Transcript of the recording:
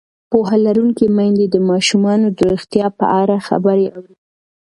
پوهه لرونکې میندې د ماشومانو د روغتیا په اړه خبرې اوري.